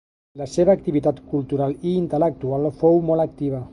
La seva activitat cultural i intel·lectual fou molt activa.